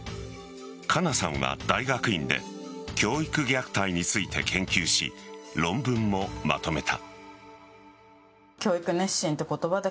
加奈さんは大学院で教育虐待について研究し論文もまとめた。